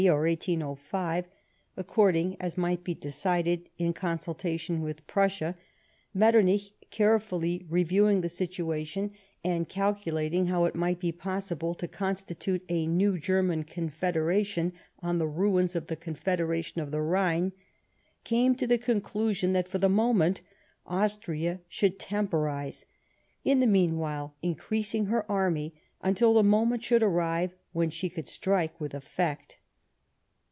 81 "brium of 1803 or 1805, according as might be decided in consultation with Prussia, Metternich, carefully reviewing the situation, and calculating how it might be possible to constitute a new German Confederation on the ruins of the Confederation of the Pihine, came to the conclusion that, for the moment, Austria should temporise, in the meanwhile increasing her army, until the moment should arrive when she could strike with effect.